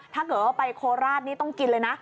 ถ้าเกิดว่าไปโคราชนี่ต้องกินเลยนะ